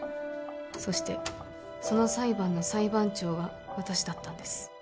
そしてその裁判の裁判長は私だったんです